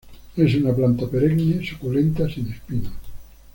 Es una planta perenne suculenta sin espinos.